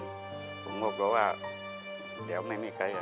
ผมกลัวว่าเดี๋ยวไม่มีใครอ่ะ